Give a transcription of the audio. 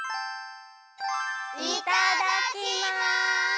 いただきます！